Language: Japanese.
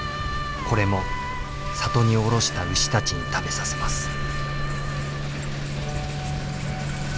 これも里に下ろした牛たちに食べさせます。